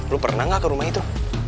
lu pernah nggak ke rumah itu